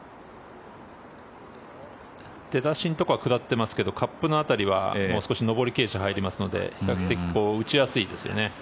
出だしのところは下ってますけどカップの辺りは少し上り傾斜が入りますので比較的打ちやすいですよね。